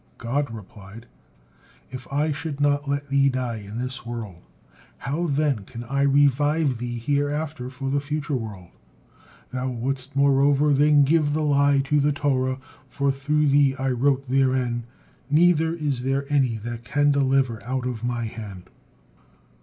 God replied, "If I should not let thee die in this world, how then can I revive thee hereafter for the future world? Thou wouldst, moreover, then give the lie to the Torah, for through thee I wrote therein, 'neither is there any that can deliver out of My hand.'"